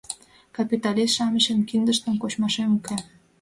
— Капиталист-шамычын киндыштым кочмашем уке!